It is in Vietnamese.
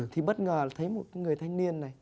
thì bất ngờ thấy một người thanh niên này